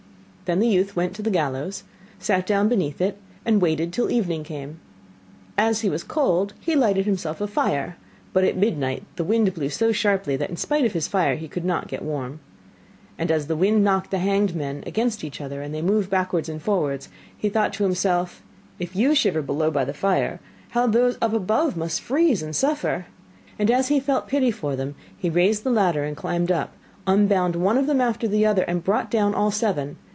Then the youth went to the gallows, sat down beneath it, and waited till evening came. And as he was cold, he lighted himself a fire, but at midnight the wind blew so sharply that in spite of his fire, he could not get warm. And as the wind knocked the hanged men against each other, and they moved backwards and forwards, he thought to himself: 'If you shiver below by the fire, how those up above must freeze and suffer!' And as he felt pity for them, he raised the ladder, and climbed up, unbound one of them after the other, and brought down all seven.